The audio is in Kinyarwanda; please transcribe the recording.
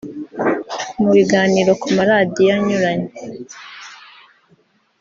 Mu biganiro ku maradiyo anyuranye